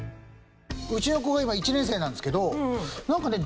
うちの子が今１年生なんですけどなんかね